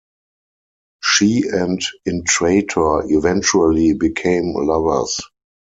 She and Intrator eventually became lovers.